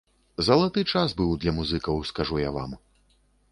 Залаты час быў для музыкаў, скажу я вам.